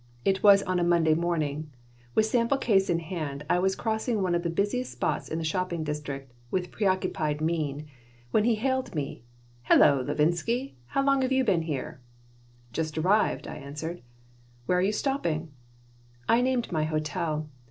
It was on a Monday morning. With sample case in hand, I was crossing one of the busiest spots in the shopping district with preoccupied mien, when he hailed me: "Hello, Levinsky! How long have you been here?" "Just arrived," I answered "Where are you stopping?" I named my hotel.